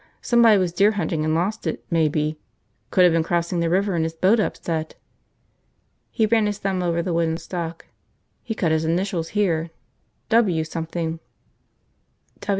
Somebody was deer hunting and lost it, maybe. Could have been crossing the river and his boat upset." He ran his thumb over the wooden stock. "He cut his initials here. W something."